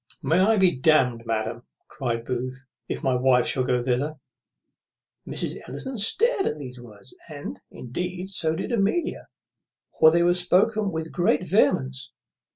"May I be damned, madam," cries Booth, "if my wife shall go thither." Mrs. Ellison stared at these words, and, indeed, so did Amelia; for they were spoke with great vehemence.